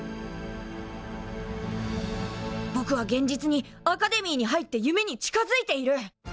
ぼくは現実にアカデミーに入って夢に近づいている。